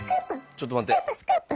ちょっと待って。